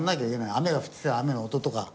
雨が降ってきたら雨の音とか。